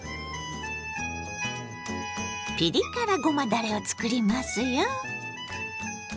ピリ辛ごまだれを作りますよ。